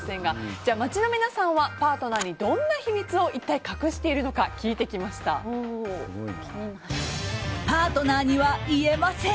では、街の皆さんはパートナーにどんな秘密を隠しているのかパートナーには言えません